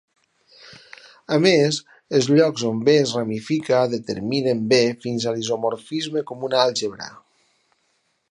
A més, els llocs on B es ramifica determinen B fins a l'isomorfisme com una àlgebra.